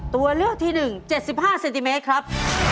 ตัวเลือกที่๑๗๕เซนติเมตรครับ